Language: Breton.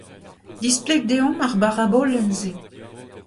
Displeg deomp ar barabolenn-se.